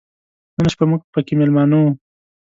نن شپه موږ پکې مېلمانه و.